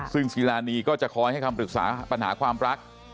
ซึ่งศิลานีก็จะคอยให้คำปรึกษาปัญหาความรัก